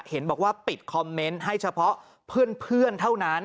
เห็นบอกว่าปิดคอมเมนต์ให้เฉพาะเพื่อนเท่านั้น